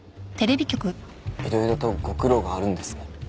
いろいろとご苦労があるんですね。